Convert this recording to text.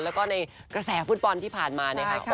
แล้วก็ในกระแสฟุ่นปอนด์ที่ผ่านมานะครับ